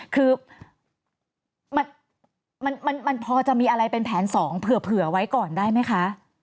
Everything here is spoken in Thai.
คือมันพอจะมีอะไรเป็นแผน๒เผื่อไว้ก่อนได้ไหมคะ